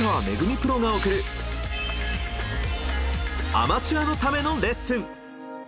プロが贈るアマチュアのためのレッスン。